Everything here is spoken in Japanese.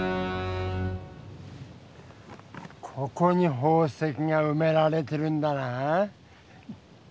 ここに宝石がうめられてるんだな？